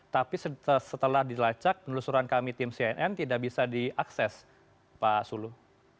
tapi setelah dilacak penelusuran kami tim cnn tidak bisa diakses pak sulu